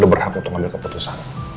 lu berhak untuk ngambil keputusan